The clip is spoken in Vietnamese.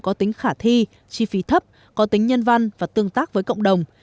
có tính khả thi chi phí thấp có tính nhân văn và tương tác với cộng đồng